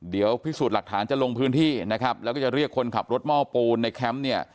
เดี๋ยวพิสูจน์หลักฐานจะลงพื้นที่นะครับแล้วก็จะเรียกคนขับรถหม้อปูนในแคมป์เนี่ย